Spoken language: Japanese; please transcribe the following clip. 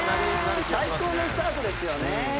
最高のスタートですよね。